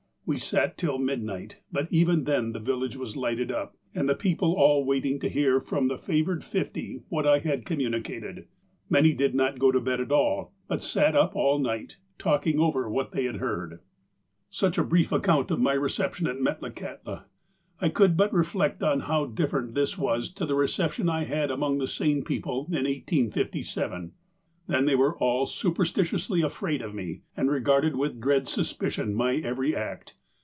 We sat till midnight, but even then the village was lighted up, and the people all waiting to hear from the favoured fifty what I had communicated. Many did not go to bed at all, but sat up all night, talking over what they had heard. 230 THE APOSTLE OF ALASKA " Such is a brief account of my reception at Metlakahtla. I could but reflect how different this was to the reception I had among the same people in 1857. Then they were all super stitiously afraid of me, and regarded with dread suspicion my every act.